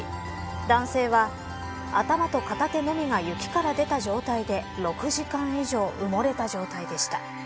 男性は頭と片手のみが雪から出た状態で６時間以上埋もれた状態でした。